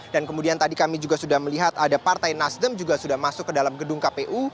dan kemudian tadi kami juga sudah melihat ada partai nasdem juga sudah masuk ke dalam gedung kpu